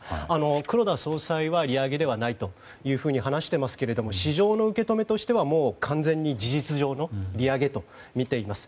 黒田総裁は利上げではないと話していますが市場の受け止めとしては完全に事実上の利上げとみています。